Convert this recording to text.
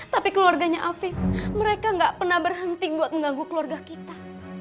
tapi keluarganya afif mereka gak pernah berhenti buat mengganggu keluarga kita